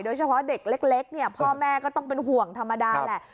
โดยเฉพาะเด็กเล็กเนี่ยพ่อแม่ก็ต้องเป็นห่วงธรรมดาแหละ